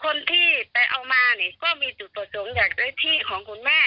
คนที่ไปเอามานี่ก็มีจุดประสงค์อยากได้ที่ของคุณแม่